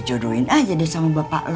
gue jodohin aja deh sama bapak lo